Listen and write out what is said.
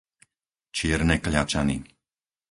Čierne Kľačany